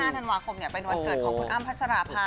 ธันวาคมเป็นวันเกิดของคุณอ้ำพัชราภา